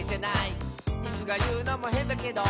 「イスがいうのもへんだけど」